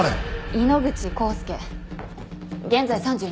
井ノ口浩輔現在３２歳。